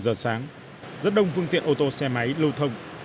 ba giờ sáng rất đông phương tiện ô tô xe máy lưu thông